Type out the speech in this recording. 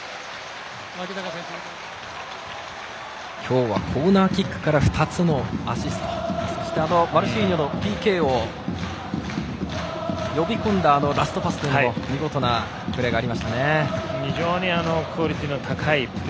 今日はコーナーキックから２つのアシスト、そしてマルシーニョのＰＫを呼び込んだラストパスという見事なプレーがありましたね。